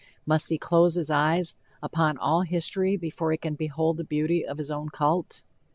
Must he close his eyes upon all history before he can behold the beauty of his own cult?